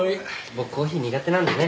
僕コーヒー苦手なんでね。